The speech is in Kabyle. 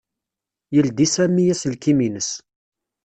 Yeldi Sami aselkim-ines.